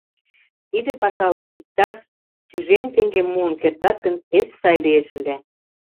Тиде пашалан иктаж тӱжем теҥгем муын кертат гын, пеш сай лиеш ыле.